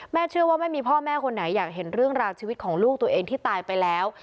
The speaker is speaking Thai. เชื่อว่าไม่มีพ่อแม่คนไหนอยากเห็นเรื่องราวชีวิตของลูกตัวเองที่ตายไปแล้ว